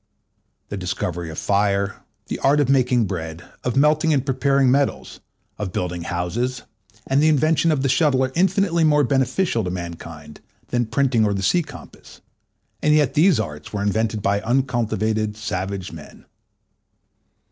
The discovery of fire, the art of making bread, of melting and preparing metals, of building houses, and the invention of the shuttle, are infinitely more beneficial to mankind than printing or the sea compass: and yet these arts were invented by uncultivated, savage men.